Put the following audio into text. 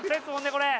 これ。